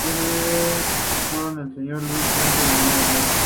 Sus padres fueron el señor Luis Cuenca y Elena Díaz.